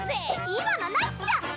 今のなしっちゃ！